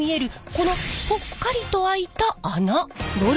このぽっかりと開いた穴。